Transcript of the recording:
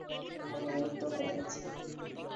আমি বিরক্ত হয়ে গেছি।